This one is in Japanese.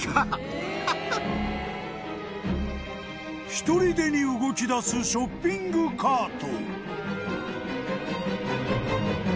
［ひとりでに動きだすショッピングカート］